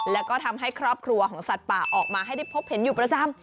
แล้วก็ทำให้ครอบครัวของสัตว์ป่าออกมาให้ได้พบเห็นอยู่ประจำ